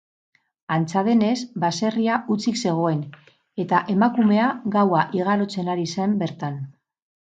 Antza denez, baserria hutsik zegoen eta emakumea gaua igarotzen ari zen bertan.